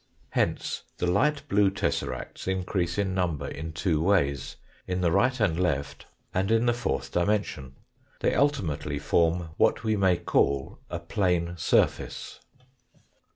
Hence the light blue tesseracts increase in number in two ways in the right and left, and in the fourth dimension. They ultimately form what we may call a plane surface.